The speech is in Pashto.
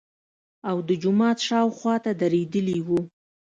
او د جومات شاوخواته درېدلي وو.